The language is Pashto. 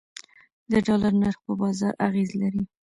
د ډالر نرخ په بازار اغیز لري